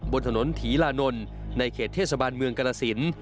บนถนนถีลานนท์ในเขตเทศบาลเมืองกรสิน